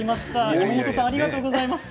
山本さんありがとうございます。